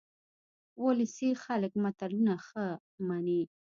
ولسي خلک متلونه ښه مني